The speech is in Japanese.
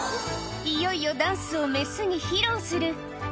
いよいよダンスを雌に披露する。